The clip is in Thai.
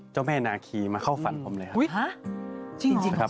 เจ้าแม่นาคีมาเข้าฝันผมเลยครับ